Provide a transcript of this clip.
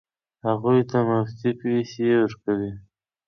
هغوی ته مفتې پیسې مه ورکوئ.